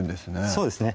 そうですね